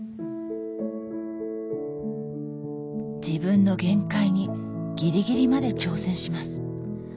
自分の限界にギリギリまで挑戦します